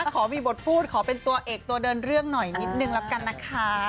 ขอมีบทพูดขอเป็นตัวเอกตัวเดินเรื่องหน่อยนิดนึงแล้วกันนะคะ